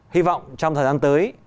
hy vọng trong thời gian tới